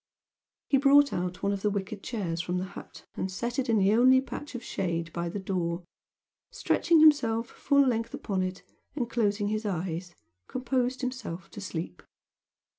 He brought out one of the wicker chairs from the hut and set it in the only patch of shade by the door, stretching himself full length upon it, and closing his eyes, composed himself to sleep.